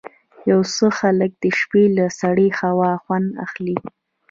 یو څه خلک د شپې له سړې هوا خوند اخلي.